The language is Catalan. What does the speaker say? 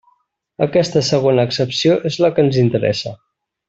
Aquesta segona accepció és la que ens interessa.